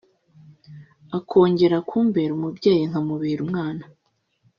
akongera kumbera umubyeyi nkamubera umwana